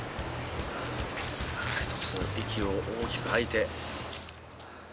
息を大きく吐いて。